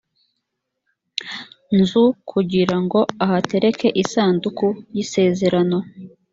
nzu kugira ngo ahatereke isanduku y isezerano